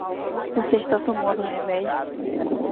Você está tomando remédio?